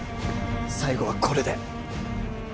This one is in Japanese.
最後はこれで